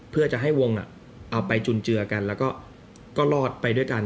เพื่อจะให้วงเอาไปจุนเจือกันแล้วก็รอดไปด้วยกัน